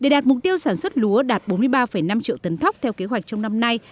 để đạt mục tiêu sản xuất lúa đạt bốn mươi ba năm triệu tấn thóc theo kế hoạch trong năm nay